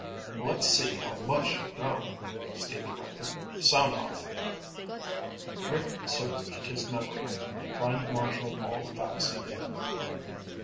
"Let's see how much you know," Steve directed. "Sound off." Rick searched his memory, trying to marshal all the facts he knew.